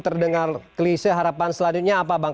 terdengar klise harapan selanjutnya apa bang